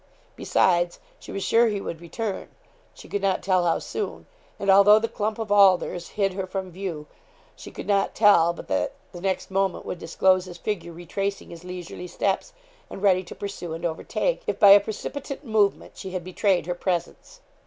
Besides, she was sure he would return she could not tell how soon and although the clump of alders hid her from view, she could not tell but that the next moment would disclose his figure retracing his leisurely steps, and ready to pursue and overtake, if by a precipitate movement she had betrayed her presence.